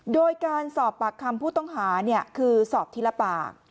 โดยการสอบปากคำผู้ต้องหาคือสอบทีละปาก